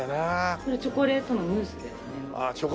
これチョコレートのムースですね。